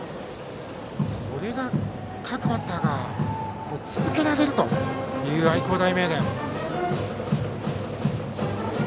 これを各バッターが続けられるという愛工大名電。